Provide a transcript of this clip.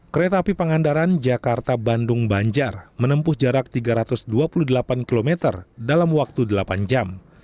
kereta api pangandaran jakarta bandung banjar menempuh jarak tiga ratus dua puluh delapan km dalam waktu delapan jam